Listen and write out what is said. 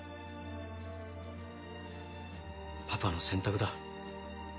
パパの選択だ。